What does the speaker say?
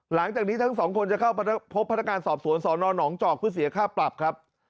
หลังจากนี้ทั้งสองคนจะเข้าพบพนักงานสอบสวนสอนอนหนองจอกเพื่อเสียค่าปรับครับ